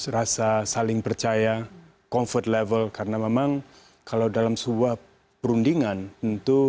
rasa saling percaya comfort level karena memang kalau dalam sebuah perundingan tentu